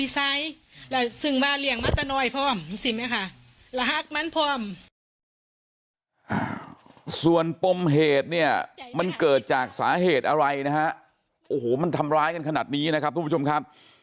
ส่วนปมเหตุเนี่ยมันเกิดจากสาเหตุอะไรนะฮะโอ้โหมันทำร้ายกันขนาดนี้นะครับทุกผู้ชมครับ